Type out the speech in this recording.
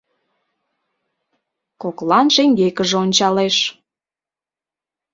Коклан шеҥгекыже ончалеш.